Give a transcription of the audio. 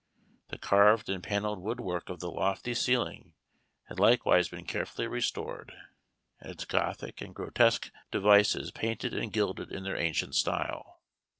The carved and panelled wood work of the lofty ceiling had likewise been carefully restored, and its Gothic and grotesque devices painted and gilded in their ancient style.